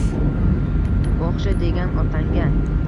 O’xsha, degan otangga.